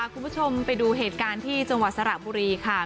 คุณผู้ชมไปดูเหตุการณ์ที่จังหวัดสระบุรีค่ะ